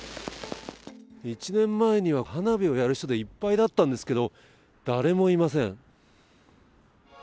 １年前には花火をやる人でいっぱいだったんですけれども、誰もいません。